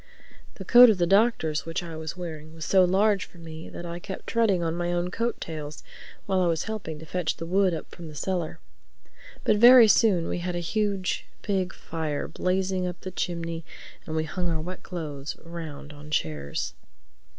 The coat of the Doctor's which I was wearing was so large for me that I kept treading on my own coat tails while I was helping to fetch the wood up from the cellar. But very soon we had a huge big fire blazing up the chimney and we hung our wet clothes around on chairs.